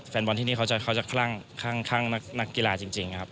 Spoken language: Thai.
แฟนบอลที่นี้เขาจะคลั่งคลั่งคลั่งนักกีฬาจริงครับ